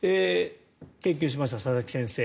研究しました、佐々木先生。